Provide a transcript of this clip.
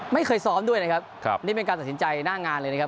ไม่เคยซ้อมด้วยนะครับครับนี่เป็นการตัดสินใจหน้างานเลยนะครับ